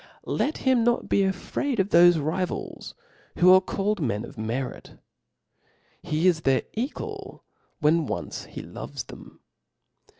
. Ilet bim not be afraid of thoie . rivals who are called men of merit \ he is their. equal when once he loves them.